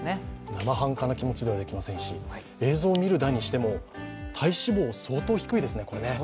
なまはんかな気持ちではできませんし映像を見るだけでも体脂肪、相当低いですね。